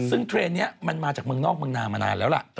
ซึ่งเทรนด์นี้มันมาจากเมืองนอกเมืองนามานานแล้วล่ะ